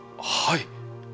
はい！